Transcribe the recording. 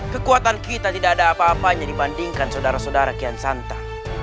kekuatan kita tidak ada apa apanya dibandingkan saudara saudara kian santa